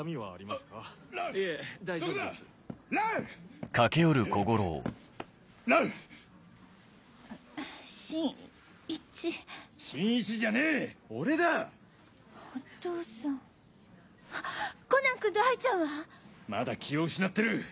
まだ気を失ってる。